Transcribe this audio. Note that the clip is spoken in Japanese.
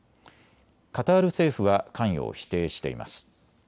カタール政府は関与を否定しています。